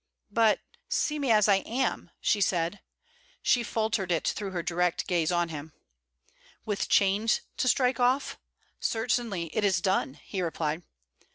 'But see me as I am,' she said; she faltered it through her direct gaze on him. 'With chains to strike off? Certainly; it is done,' he replied.